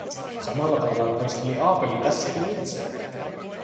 Samalla tavalla ravisteli Aapeli tässäkin itseään.